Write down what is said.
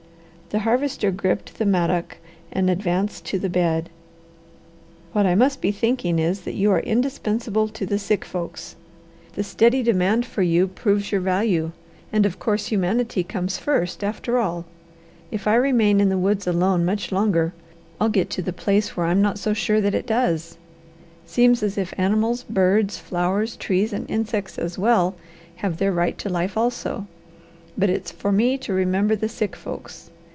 The Harvester gripped the mattock and advanced to the bed. "What I must be thinking is that you are indispensable to the sick folks. The steady demand for you proves your value, and of course, humanity comes first, after all. If I remain in the woods alone much longer I'll get to the place where I'm not so sure that it does. Seems as if animals, birds, flowers, trees, and insects as well, have their right to life also. But it's for me to remember the sick folks!